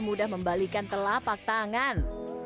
semudah membalikan telapak tangan